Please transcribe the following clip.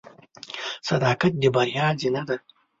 • صداقت د بریا زینه ده.